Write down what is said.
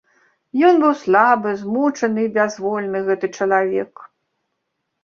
Ён быў слабы, змучаны і бязвольны, гэты чалавек.